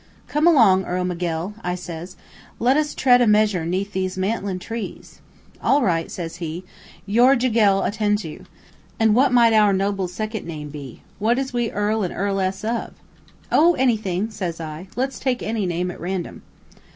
"'Come along, Earl Miguel,' I says; 'let us tread a measure 'neath these mantlin' trees.' "'All right,' says he. 'Your Jiguel attends you. An' what might our noble second name be? What is we earl an' earl ess of?' "'Oh, anything,' says I. 'Let's take any name at random.'